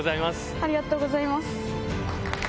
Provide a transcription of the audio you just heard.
ありがとうございます。